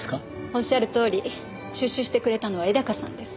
おっしゃるとおり出資してくれたのは絵高さんです。